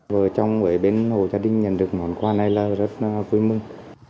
vừa ở trong ở bên hồ gia đình nhận được món quà này là rất vui mừng